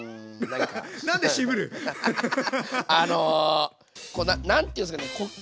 あの何ていうんですかね